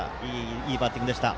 いいバッティングでした。